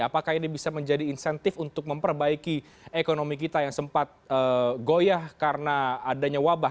apakah ini bisa menjadi insentif untuk memperbaiki ekonomi kita yang sempat goyah karena adanya wabah